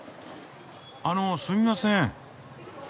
あのすみません。